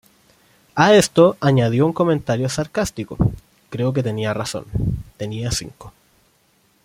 A esto, añadió un comentario sarcástico: "creo que tenían razón..., tenía "cinco"".